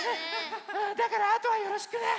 だからあとはよろしくね。